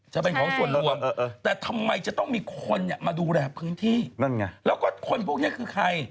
จะเป็นของส่วนรวมแต่ทำไมจะต้องมีคนมาดูแลพื้นที่นั่นไงแล้วก็คนพวกนี้คือใคร